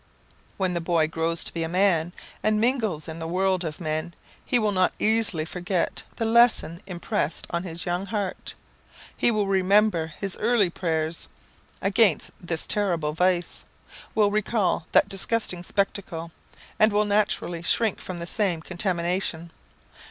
When the boy grows to be a man, and mingles in the world of men, he will not easily forget the lesson impressed on his young heart. He will remember his early prayers against this terrible vice will recall that disgusting spectacle and will naturally shrink from the same contamination.